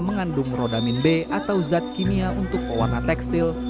mengandung rodamin b atau zat kimia untuk pewarna tekstil